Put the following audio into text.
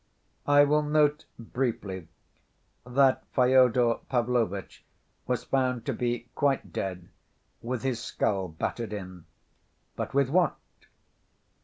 I will note briefly that Fyodor Pavlovitch was found to be quite dead, with his skull battered in. But with what?